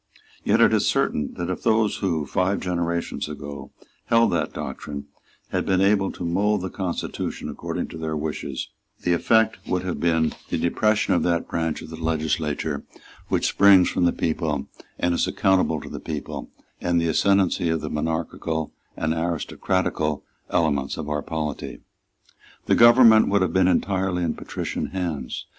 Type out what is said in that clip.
Yet it is certain that if those who, five generations ago, held that doctrine, had been able to mould the constitution according to their wishes, the effect would have been the depression of that branch of the legislature which springs from the people and is accountable to the people, and the ascendency of the monarchical and aristocratical elements of our polity. The government would have been entirely in patrician hands.